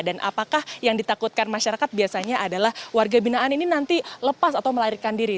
apakah yang ditakutkan masyarakat biasanya adalah warga binaan ini nanti lepas atau melarikan diri